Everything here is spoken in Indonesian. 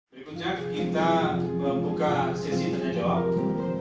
berikutnya kita membuka sesi tanya jawab